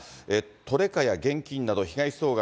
トレカや現金など被害総額